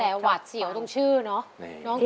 แต่หวาดเสียวตรงชื่อเนอะ